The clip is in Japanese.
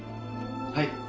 はい。